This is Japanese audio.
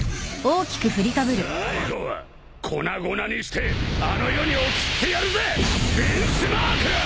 最後は粉々にしてあの世に送ってやるぜヴィンスモーク！